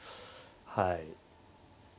はい。